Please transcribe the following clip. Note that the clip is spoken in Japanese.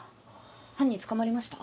犯人捕まりました？